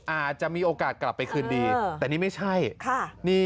อาจจะมีโอกาสกลับไปคืนดีแต่นี่ไม่ใช่